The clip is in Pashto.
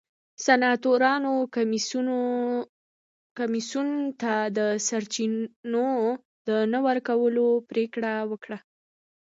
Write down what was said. سناتورانو کمېسیون ته د سرچینو د نه ورکولو پرېکړه وکړه.